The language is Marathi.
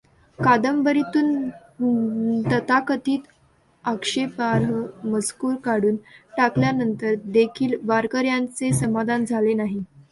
कादंबरीतून तथाकथित आक्षेपार्ह मजकूर काढून टाकल्यानंतर देखील वारकऱ्यांचे समाधान झाले नाही.